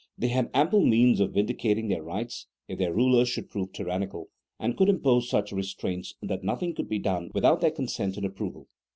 They had ample means of vindicating their rights if their rulers should prove tyrannical, and could impose such re straints that nothing could be done without their consent and approval.